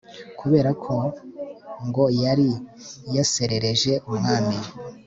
kubera ko ngo yari yaserereje umwami